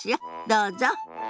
どうぞ。